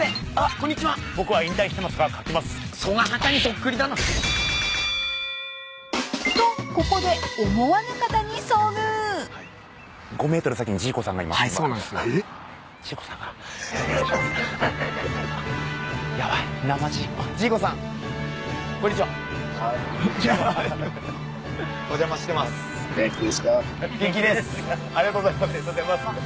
ありがとうございます。